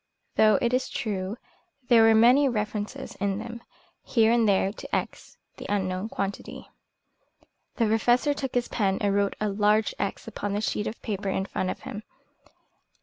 Though, it is true, there were many references in them, here and there, to X, the unknown quantity. The Professor took his pen and wrote a large X upon the sheet of paper in front of him.